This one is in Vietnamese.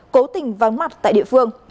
cố tình vắng mặt tại địa phương